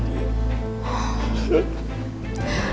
kamu harus sabar